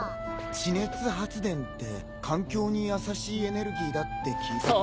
地熱発電って環境に優しいエネルギーだって聞い。